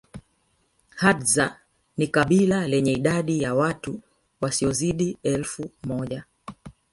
Hadza ni kabila lenye idadi ya watu wasiozidi elfu moja